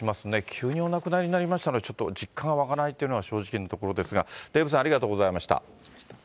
急にお亡くなりになりましたので、ちょっと実感が湧かないっていうのが正直なところですが、デーブありがとうございました。